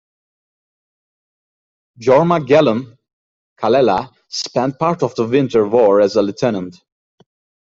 Jorma Gallen-Kallela spent part of the Winter War as a lieutenant.